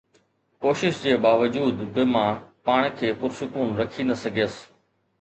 ڪوشش جي باوجود به مان پاڻ کي پرسڪون رکي نه سگهيس.